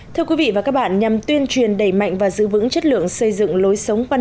thưa quý vị và các bạn nhằm tuyên truyền đẩy mạnh và giữ vững chất lượng xây dựng lối sống văn